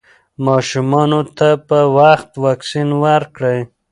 ماشومانو ته په وخت واکسین ورکړئ.